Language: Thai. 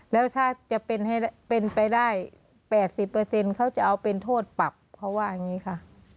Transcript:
แล้วถ้าจะเป็นไปได้๘๐เขาจะเอาเป็นโทษปรับเขาว่าอย่างนี้ค่ะ